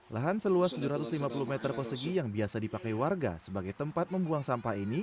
lahan seluas tujuh ratus lima puluh meter persegi yang biasa dipakai warga sebagai tempat membuang sampah ini